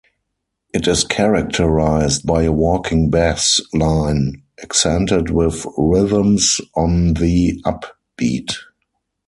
It is characterized by a walking bass line accented with rhythms on the upbeat.